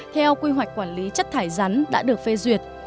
theo quy hoạch quản lý chất thải rắn đã được phê duyệt